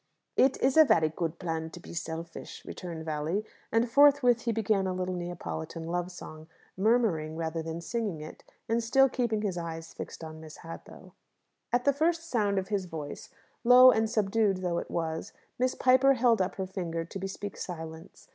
"It is a very good plan to be selfish," returned Valli; and forthwith he began a little Neapolitan love song murmuring, rather than singing it and still keeping his eyes fixed on Miss Hadlow. At the first sound of his voice, low and subdued though it was, Miss Piper held up her finger to bespeak silence.